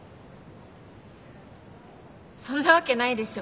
そんなわけないでしょ。